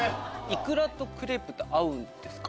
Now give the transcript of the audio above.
イクラとクレープって合うんですか？